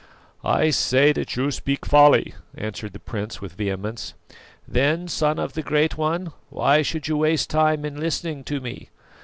"I say that you speak folly," answered the prince with vehemence. "Then, Son of the Great One, why should you waste time in listening to me?